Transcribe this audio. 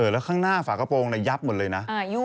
แล้วข้างหน้าฝากระโปรงยับหมดเลยนะ